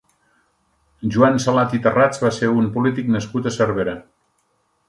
Joan Salat i Tarrats va ser un polític nascut a Cervera.